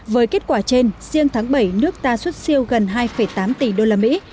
với kết quả trên riêng tháng bảy nước ta xuất siêu gần hai tám tỷ đô la mỹ